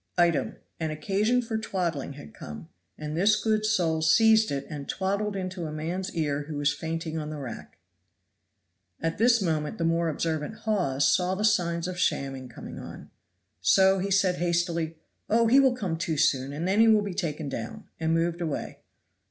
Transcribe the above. Item. An occasion for twaddling had come, and this good soul seized it and twaddled into a man's ear who was fainting on the rack. At this moment the more observant Hawes saw the signs of shamming coming on. So he said hastily, "Oh, he will come to soon, and then he will be taken down;" and moved away.